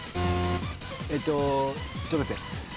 えっとちょっと待って。